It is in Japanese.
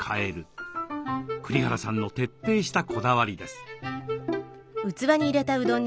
栗原さんの徹底したこだわりです。